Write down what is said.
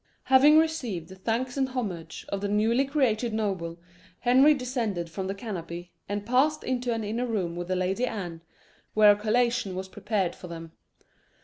Having received the thanks and homage of the newly created noble, Henry descended from the canopy, and passed into an inner room with the Lady Anne, where a collation was prepared for them.